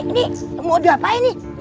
ini mau diapain nih